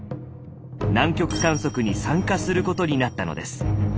南極観測に参加することになったのです。